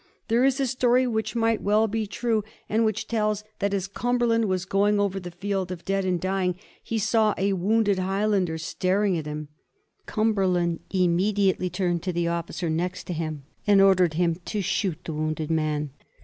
There is a story, which might well be true, and 1746. CUMBERLAND'S VEiNGKANCE. S27 which tells that as Cumberland was going over the field of dead and dying he saw a wounded Highlander staring at him. Cumberland immediately turned to the officer neit to him, and ordered him to shoot the wounded man.